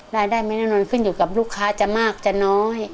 รายได้ไม่นานน้อยขึ้นอยู่กับลูกค้าจะมากจะน้อย